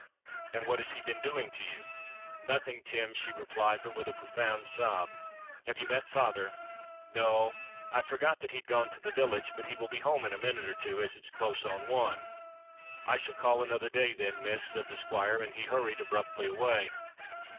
and what has he been doing to you?'—'Nothing, Tim,' she replied, but with a profound sob. 'Have you met father?'—'No; I forgot that he'd gone to the village; but he will be home in a minute or two, as it's close on one.'—'I shall call another day, then, Miss,' said the Squire; and he hurried abruptly away.